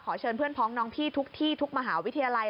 เชิญเพื่อนพ้องน้องพี่ทุกที่ทุกมหาวิทยาลัย